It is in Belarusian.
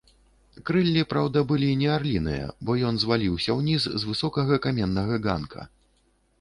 Крыллі, праўда, былі не арліныя, бо ён зваліўся ўніз з высокага каменнага ганка.